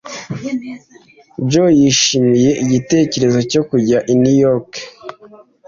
Joe yishimiye igitekerezo cyo kujya i New York.